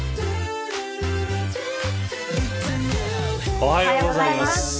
おはようございます。